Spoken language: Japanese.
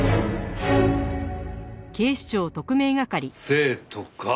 生徒か。